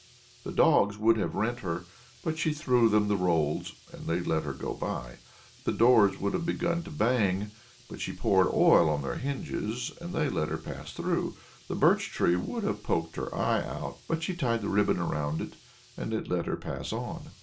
The dogs would have rent her, but she threw them the rolls, and they let her go by; the doors would have begun to bang, but she poured oil on their hinges, and they let her pass through; the birch tree would have poked her eyes out, but she tied the ribbon around it, and it let her pass on.